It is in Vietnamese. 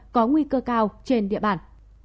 có nguy cơ cao trên địa bàn